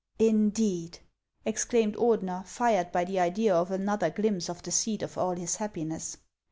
" Indeed !" exclaimed Ordener, fired by the idea of another glimpse of the seat of all his happiness.